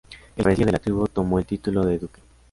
El cabecilla de la tribu tomó el título de duque.